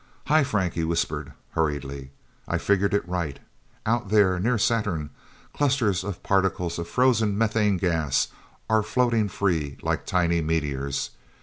"Hi, Frank," he whispered hurriedly. "I figured it right. Out there, near Saturn, clusters of particles of frozen methane gas are floating free like tiny meteors.